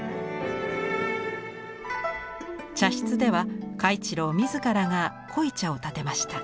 茶室では嘉一郎自らが濃茶をたてました。